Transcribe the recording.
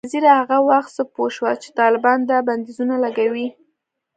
بېنظیره هغه وخت څه پوه شوه چي طالبان دا بندیزونه لګوي؟